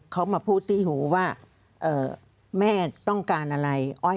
เขามาพูดที่หูว่าแม่ต้องการอะไร